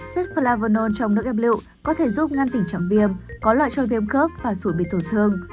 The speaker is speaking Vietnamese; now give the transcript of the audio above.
chất flavonol trong nước ép lựu có thể giúp ngăn tỉnh trạng viêm có loại trôi viêm khớp và sụn bị tổn thương